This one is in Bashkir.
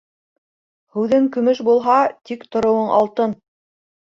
Һүҙең көмөш булһа, тик тороуың алтын.